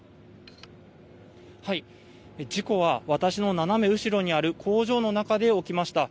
事故は私の斜め後ろにある工場の中で起きました。